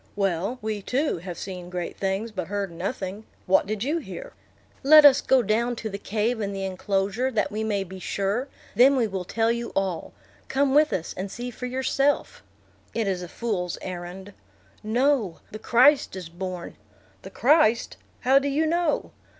"Well, we, too, have seen great things, but heard nothing. What did you hear?" "Let us go down to the cave in the enclosure, that we may be sure; then we will tell you all. Come with us, and see for yourself." "It is a fool's errand." "No, the Christ is born." "The Christ! How do you know?"